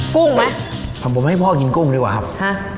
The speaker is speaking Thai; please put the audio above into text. กุ้งไหมผมให้พ่อกินกุ้งดีกว่าครับฮะ